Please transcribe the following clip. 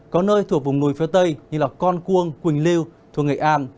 có nơi thuộc vùng núi phía tây như con cuông quỳnh lưu thuộc nghệ an